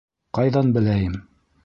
Ҡайҙан беләйем?